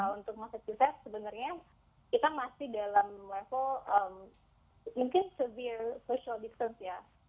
untuk masak yosef sebenarnya kita masih dalam level mungkin severe social distance ya